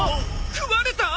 食われた。